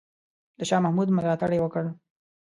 د شاه محمود ملاتړ یې وکړ.